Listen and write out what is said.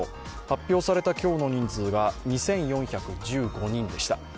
発表された今日の人数は２４１５人でした。